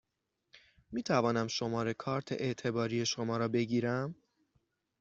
می توانم شماره کارت اعتباری شما را بگیرم؟